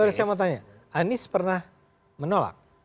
saya mau tanya anies pernah menolak